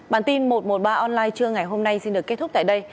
bản tin một trăm một mươi ba online trưa ngày hôm nay xin được kết thúc tại đây